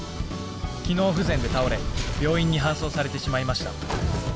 機能不全で倒れ病院に搬送されてしまいました。